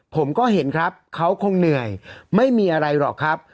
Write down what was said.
ผมก็เห็นครับเขาคงเหนื่อยไม่มีอะไรหรอกครับ